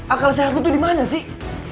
akal sehat lo tuh dimana sih